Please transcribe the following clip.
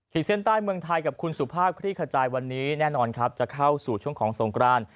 เส้นใต้เมืองไทยกับคุณสุภาพคลี่ขจายวันนี้แน่นอนครับจะเข้าสู่ช่วงของสงคราน